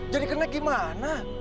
jadi kenaik gimana